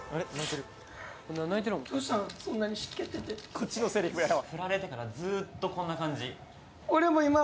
こっちのセリフやわ。